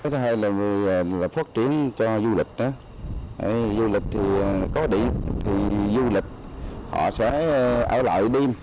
thứ hai là phát triển cho du lịch du lịch có điện du lịch họ sẽ ở lại đêm